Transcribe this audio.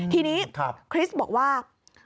ทีนี้คริสต์บอกว่า